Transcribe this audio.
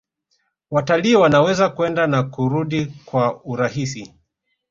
Watalii wanaweza kwenda na kurudi kwa urahisi